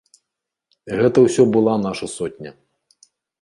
Гэта ўсё была наша сотня.